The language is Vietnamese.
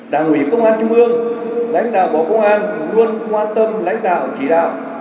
đảng ủy công an trung ương lãnh đạo bộ công an luôn quan tâm lãnh đạo chỉ đạo